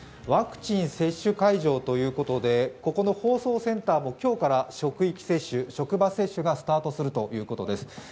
ワクチン接種会場ということでここの放送センターも今日から職域接種、職場接種がスタートするということです。